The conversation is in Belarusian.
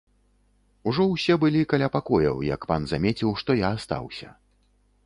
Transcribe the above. Ужо ўсе былі каля пакояў, як пан замеціў, што я астаўся.